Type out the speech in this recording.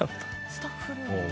スタッフに。